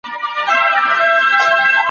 د بدن غړي څه ډول دنده ترسره کوي؟